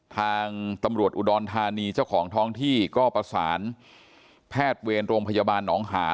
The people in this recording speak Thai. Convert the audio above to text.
ทางตำรวจอุดรธานีเจ้าของท้องที่ก็ประสานแพทย์เวรโรงพยาบาลหนองหา